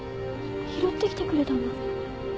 拾ってきてくれたの？